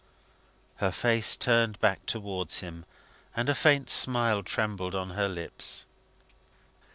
Her face turned back towards him, and a faint smile trembled on her lips.